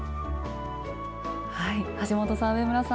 橋本さん上村さん